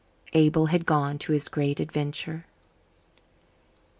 Abel had gone on his Great Adventure.